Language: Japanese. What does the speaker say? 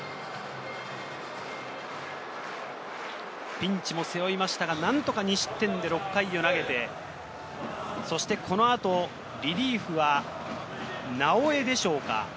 ピンチも背負いましたが、何とか２失点で６回を投げて、そしてこの後、リリーフは直江でしょうか？